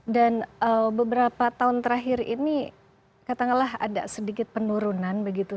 dan beberapa tahun terakhir ini katakanlah ada sedikit penurunan begitu